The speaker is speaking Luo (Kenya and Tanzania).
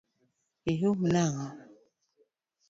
Ihum nang’o?